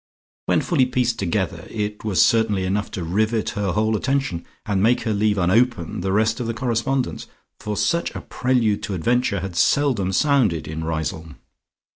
When fully pieced together it was certainly enough to rivet her whole attention, and make her leave unopened the rest of the correspondence, for such a prelude to adventure had seldom sounded in Riseholme.